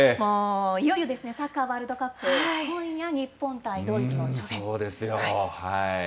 いよいよサッカーワールドカップ、今夜、日本対ドイツの初戦。